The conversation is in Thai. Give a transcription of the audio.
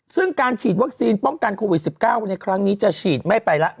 ซึ่งการฉีดวัคซีนป้องกันโควิด๑๙ในครั้งนี้จะฉีดไม่ไปแล้ว